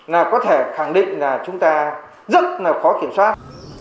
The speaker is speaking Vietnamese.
là có thể khẳng định là chúng ta rất là khó kiểm soát